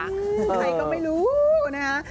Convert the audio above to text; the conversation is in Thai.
ใครก็ไม่รู้นะฮะ